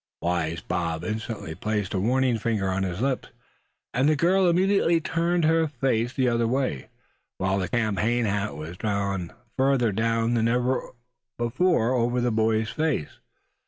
Wise Bob instantly placed a warning finger on his lips, and the girl immediately turned her face the other way, while that campaign hat was drawn further down than ever over the boy's face.